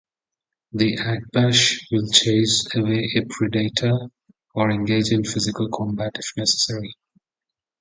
The Akbash will chase away a predator, or engage in physical combat if necessary.